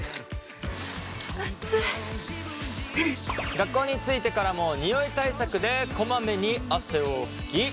学校に着いてからもニオイ対策でこまめに汗を拭き